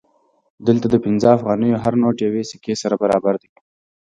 دلته د پنځه افغانیو هر نوټ یوې سکې سره برابر دی